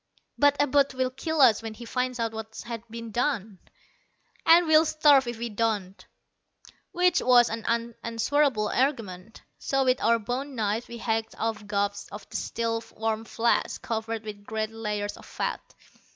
"But Abud will kill us when he finds out what's been done." "And we'll starve if we don't." Which was an unanswerable argument. So with our bone knives we hacked off gobs of the still warm flesh, covered with great layers of fat.